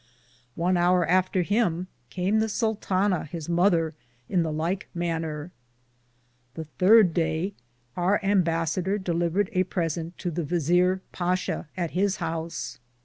One houre after him came the Sultana his mother, in the lyke maner. The thirde Day, our imbassader Delivered a presente to the Vizeare Basha at his house.